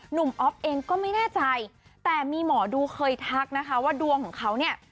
อ๊อฟเองก็ไม่แน่ใจแต่มีหมอดูเคยทักนะคะว่าดวงของเขาเนี่ย